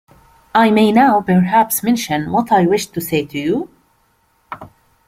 I may now perhaps mention what I wished to say to you?